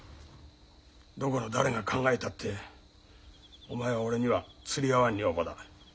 どこの誰が考えたってお前は俺には釣り合わん女房だ。